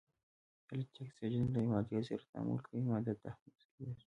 کله چې اکسیجن له یوې مادې سره تعامل کوي ماده تحمض کیږي.